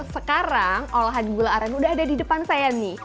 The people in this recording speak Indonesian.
sekarang olahan gula aren udah ada di depan saya nih